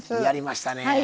やりましたね！